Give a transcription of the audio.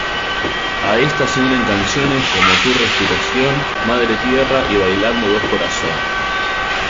A esta se unen canciones como Tu respiración, Madre tierra y Bailando dos corazones.